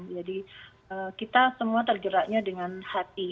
jadi kita semua tergeraknya dengan hati